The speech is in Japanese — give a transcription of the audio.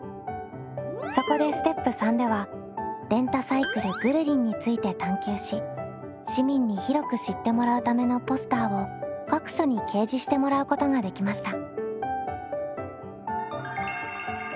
そこでステップ３ではレンタサイクル「ぐるりん」について探究し市民に広く知ってもらうためのポスターを各所に掲示してもらうことができました。